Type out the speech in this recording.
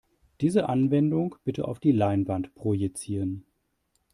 Diese Anwendung bitte auf die Leinwand projizieren.